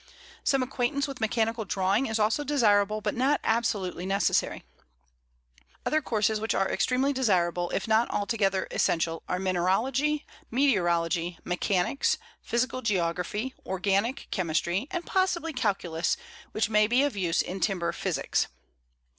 Some acquaintance with mechanical drawing is also desirable but not absolutely necessary. Other courses which are extremely desirable, if not altogether essential, are mineralogy, meteorology, mechanics, physical geography, organic chemistry, and possibly calculus, which may be of use in timber physics.